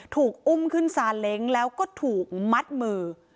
ถูกอุ้มขึ้นซาเล้งแล้วก็ถูกมัดมือ